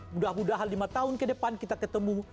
mudah mudahan lima tahun ke depan kita ketemu